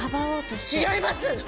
違います！